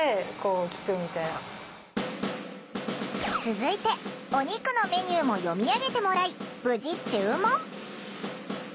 続いてお肉のメニューも読み上げてもらい無事注文。